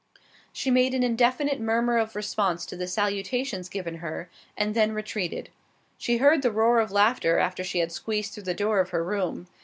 She made an indefinite murmur of response to the salutations given her, and then retreated. She heard the roar of laughter after she had squeezed through the door of her room.